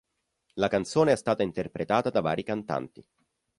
La canzone è stata interpretata da vari cantanti.